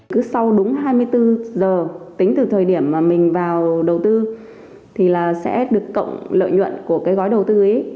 cứ sau đúng hai mươi bốn giờ tính từ thời điểm mà mình vào đầu tư thì là sẽ được cộng lợi nhuận của cái gói đầu tư ấy